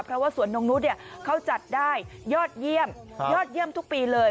เพราะว่าสวนนงนุษย์เขาจัดได้ยอดเยี่ยมยอดเยี่ยมทุกปีเลย